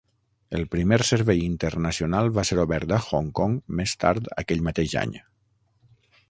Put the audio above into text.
El primer servei internacional va ser obert a Hong Kong més tard aquell mateix any.